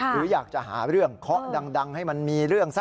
หรืออยากจะหาเรื่องเคาะดังให้มันมีเรื่องซะ